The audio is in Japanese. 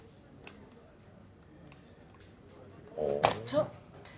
ちょっ。